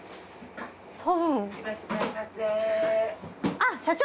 あっ社長！